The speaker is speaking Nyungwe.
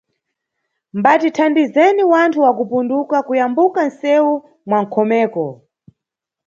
Mbatithandizeni wanthu wakupunduka kuyambuka nʼsewu mwanʼkhomeko.